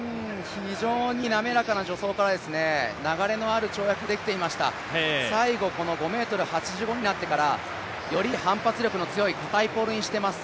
非常に滑らかな助走から、流れのある跳躍できていました、最後５ｍ８５になってからより反発力の強いかたいポールにしています。